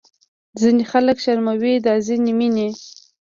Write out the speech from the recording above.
ځینې خلک شرموي دا ځینې مینې